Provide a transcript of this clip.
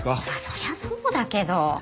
そりゃそうだけど。